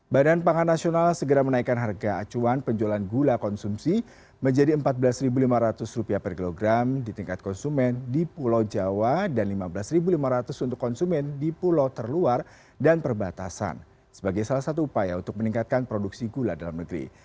badan pangan nasional segera menaikkan harga acuan penjualan gula konsumsi menjadi rp empat belas lima ratus per kilogram di tingkat konsumen di pulau jawa dan rp lima belas lima ratus untuk konsumen di pulau terluar dan perbatasan sebagai salah satu upaya untuk meningkatkan produksi gula dalam negeri